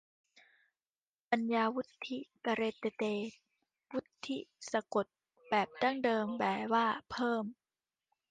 ปัญญาวุฑฒิ กะเรเตเต วุฑฒิ สะกดแบบดั้งเดิมแปลว่าเพิ่ม